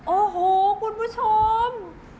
โอ้โหคุณผู้ชม